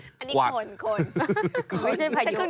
อันนี้คนคนอันนี้คือคน